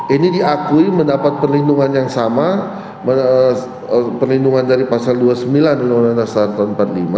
ini diakui mendapat perlindungan yang sama perlindungan dari pasal dua puluh sembilan undang undang dasar tahun seribu sembilan ratus empat puluh lima